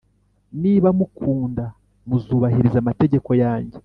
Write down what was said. Niba munkunda muzubahiriza amategeko yanjye